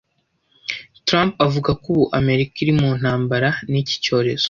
Trump avuga ko ubu Amerika iri mu ntambara n'iki cyorezo